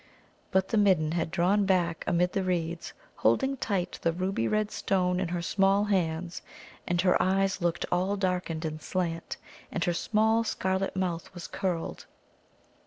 But the Midden had drawn back amid the reeds, holding tight the ruby red stone in her small hands, and her eyes looked all darkened and slant, and her small scarlet mouth was curled.